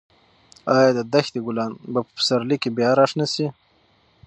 ایا د دښتې ګلان به په پسرلي کې بیا راشنه شي؟